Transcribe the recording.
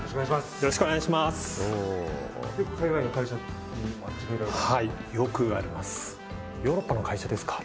よろしくお願いしますうん？